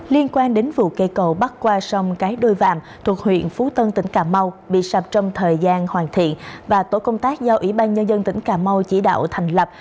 liên quan đến vụ cây cầu bắc qua sông cái đôi vàm thuộc huyện phú tân tỉnh cà mau bị sập trong thời gian hoàn thiện và tổ công tác do ủy ban nhân dân tỉnh cà mau chỉ đạo thành lập